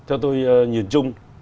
theo tôi nhìn chung